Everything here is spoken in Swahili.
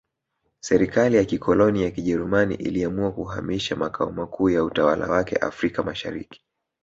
Serikali ya kikoloni ya Kijerumani iliamua kuhamisha makao makuu ya utawala wake Afrika Mashariki